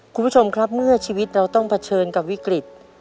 คุณผู้ชมครับเมื่อชีวิตเราต้องเผชิญกับวิกฤต